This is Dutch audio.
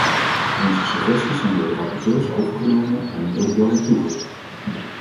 Onze suggesties zijn door de rapporteurs overgenomen en nu ook door hen toegelicht.